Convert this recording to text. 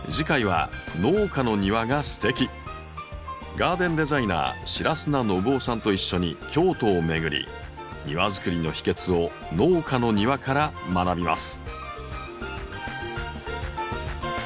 ガーデンデザイナー白砂伸夫さんと一緒に京都を巡り庭づくりの秘訣を農家の庭から学びます。